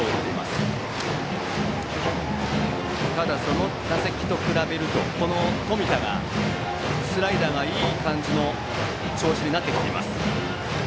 ただ、その打席と比べると冨田がスライダーがいい感じの調子になってきています。